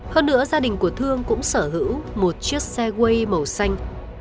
hơn nữa gia đình của thương cũng sở hữu một chiếc xe way màu xanh